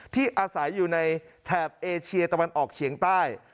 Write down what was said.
ที่อาศัยอยู่ในแถบเอเชียตะวันออกเฉียงใต้